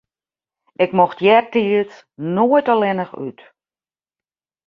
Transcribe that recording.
Ik mocht eartiids noait allinne út.